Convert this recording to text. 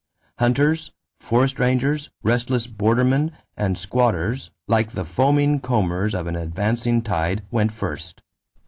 Hunters, forest rangers, restless bordermen, and squatters, like the foaming combers of an advancing tide, went first.